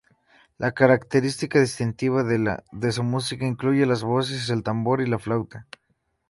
La característica distintiva de su música incluye las voces, el tambor y la flauta.